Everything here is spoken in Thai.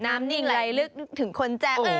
น้ำนิ่งไหลลึกถึงคนแจ้ว